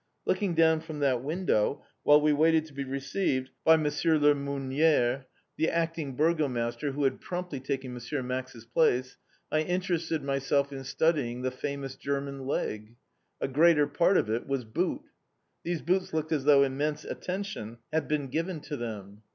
Looking down from that window, while we waited to be received by M. le Meunier, the Acting Burgomaster who had promptly taken M. Max's place, I interested myself in studying the famous German leg. A greater part of it was boot. These boots looked as though immense attention had been given to them.